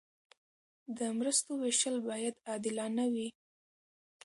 د مرستو ویشل باید عادلانه وي.